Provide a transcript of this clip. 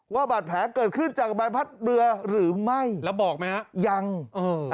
ว่าบาดแผลเกิดขึ้นจากใบพัดเรือหรือไม่แล้วบอกไหมฮะยังเออ